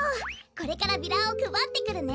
これからビラをくばってくるね！